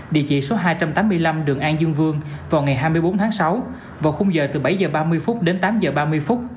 địa chỉ số hai trăm tám mươi năm đường an dương vương vào ngày hai mươi bốn tháng sáu vào khung giờ từ bảy h ba mươi đến tám h ba mươi phút